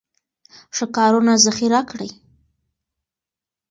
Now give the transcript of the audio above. ښه کارونه ذخیره کړئ.